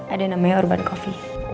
ada namanya urban coffee